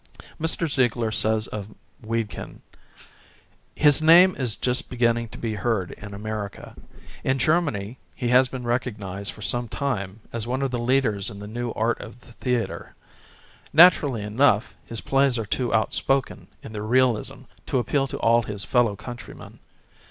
Mr. Ziegler says of Wedekind: ''... his name is just beginning to be heard in America. In Germany he has been recognized for some time as one of the leaders in the new art of the theatre. Naturally enough his plays are too outspoken in their realism to appeal to all his fellow countrymen.